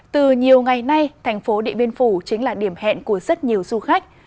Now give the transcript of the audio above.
từ nhiều ngày nay thành phố điện biên phủ chính là điểm hẹn của rất nhiều du khách